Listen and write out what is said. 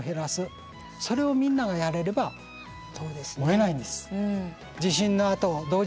それをみんながやれれば燃えないんです。